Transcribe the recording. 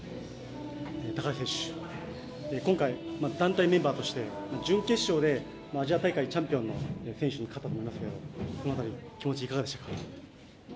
高橋選手、今回、団体メンバーとして準決勝で、アジア大会チャンピオンの選手に勝ったと思いますがその辺り気持ちいかがでしょうか。